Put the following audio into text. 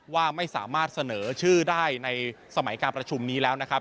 ว่าไม่สามารถเสนอชื่อได้ในสมัยการประชุมนี้แล้วนะครับ